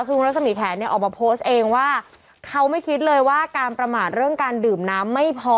คือคุณรัศมีแขนเนี่ยออกมาโพสต์เองว่าเขาไม่คิดเลยว่าการประมาทเรื่องการดื่มน้ำไม่พอ